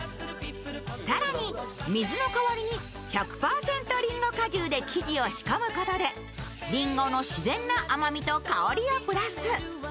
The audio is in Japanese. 更に水の代わりに１００％りんご果汁で生地を仕込むことでりんごの自然な甘みと香りをプラス。